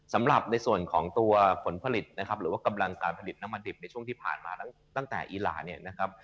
สำหรับในส่วนของตัวผลผลิตหรือว่ากำลังการผลิตน้ำมะดิบในช่วงที่ผ่านมาตั้งแต่อีหลา